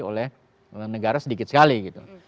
oleh negara sedikit sekali gitu